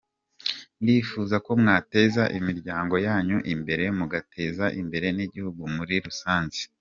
Ndifuza ko mwateza imiryango yanyu imbere mugateza imbere n’igihugu muri rusange.